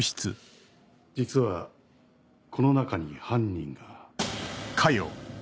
実はこの中に犯人が。